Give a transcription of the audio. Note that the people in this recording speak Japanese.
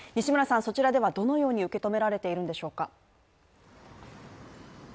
そちらではどのように受け止められているんでしょうか？